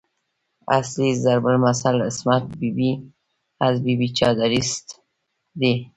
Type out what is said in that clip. اصلي ضرب المثل "عصمت بي بي از بې چادريست" دی.